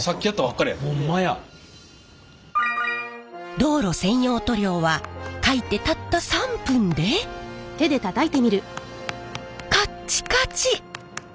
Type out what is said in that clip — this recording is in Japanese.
道路専用塗料はかいてたった３分でカッチカチ！